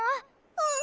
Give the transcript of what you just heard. うん。